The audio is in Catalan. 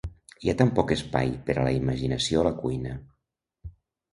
Hi ha tan poc espai per a la imaginació a la cuina.